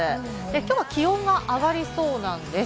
今日は気温が上がりそうなんです。